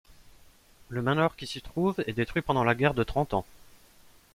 Le manoir qui s'y trouve est détruit pendant la guerre de Trente Ans.